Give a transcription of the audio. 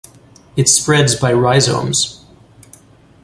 It spreads by rhizomes.